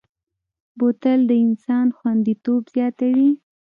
بوتل د انسان خوندیتوب زیاتوي.